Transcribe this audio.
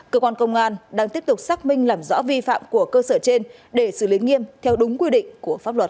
cơ quan công an đang tiếp tục xác minh làm rõ vi phạm của cơ sở trên để xử lý nghiêm theo đúng quy định của pháp luật